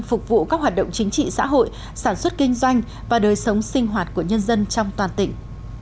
phục vụ các hoạt động chính trị xã hội sản xuất kinh doanh và đời sống sinh hoạt của nhân dân trong toàn tỉnh